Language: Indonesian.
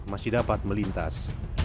masih dapat melintas